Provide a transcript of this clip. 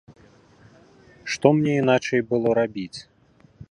Што мне іначай было рабіць!